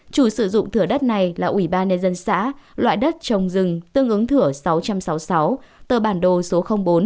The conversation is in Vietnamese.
chủ sử dụng thừa đất này là ubnd dân xã loại đất trồng rừng tương ứng thừa sáu trăm sáu mươi sáu tờ bản đồ số bốn